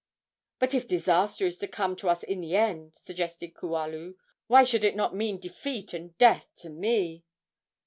"But if disaster is to come to us in the end," suggested Kualu, "why should it not mean defeat and death to me?"